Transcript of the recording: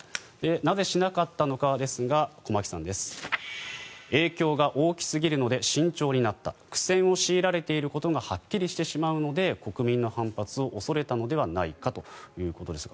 なぜしなかったのかですが駒木さんです。影響が大きすぎるので慎重になった苦戦を強いられていることがはっきりしてしまうので国民の反発を恐れたのではないかということです。